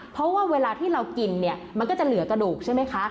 เพราะว่าเวลาที่เรากินเนี่ยมันก็จะเหลือกระดูกใช่ไหมคะ